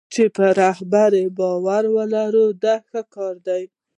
چې په رهبر باور ولري دا ښه کار دی.